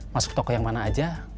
masuk toko yang mana aja